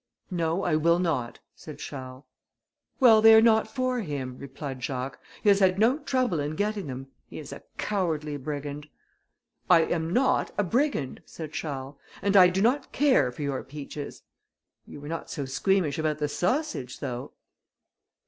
"No, I will not," said Charles. "Well, they are not for him," replied Jacques, "he has had no trouble in getting them; he is a cowardly brigand." "I am not a brigand," said Charles, "and I do not care for your peaches." "You were not so squeamish about the sausage, though."